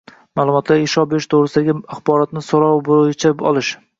ma’lumotlarga ishlov berish to‘g‘risidagi axborotni so‘rov bo‘yicha olish: